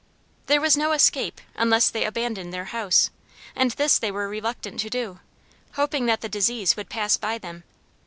There was no escape unless they abandoned their house, and this they were reluctant to do, hoping that the disease would pass by them.